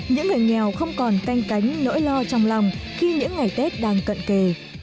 những người nghèo không còn canh cánh nỗi lo trong lòng khi những ngày tết đang cận kề